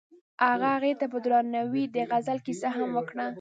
هغه هغې ته په درناوي د غزل کیسه هم وکړه.